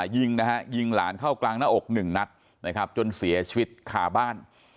ยิงหลานเข้ากลางหน้าอก๑นัดจนเสียชีวิตข่าบ้าน